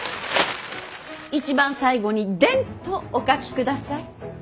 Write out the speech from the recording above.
一番最後にデンとお書きください。